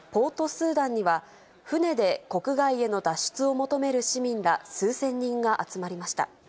スーダンには、船で国外への脱出を求める市民ら数千人が集まりました。